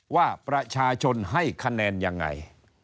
ว่าประชาชนให้คะแนนยังไง